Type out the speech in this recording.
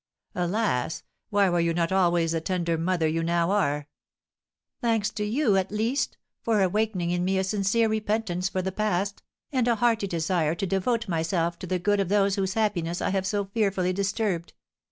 "Alas! why were you not always the tender mother you now are?" "Thanks to you, at least, for awakening in me a sincere repentance for the past, and a hearty desire to devote myself to the good of those whose happiness I have so fearfully disturbed!